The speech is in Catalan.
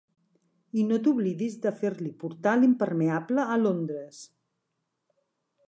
I no t'oblidis de fer-li portar l'impermeable a Londres.